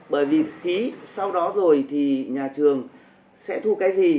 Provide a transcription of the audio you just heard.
bởi vì ký sau đó rồi thì nhà trường sẽ thu cái gì